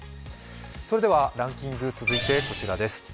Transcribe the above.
それではランキング、続いてこちらです。